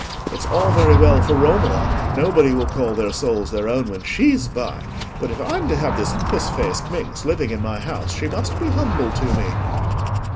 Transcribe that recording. It's all very well for Romola;—nobody will call their souls their own when she's by; but if I'm to have this puss faced minx living in my house she must be humble to me."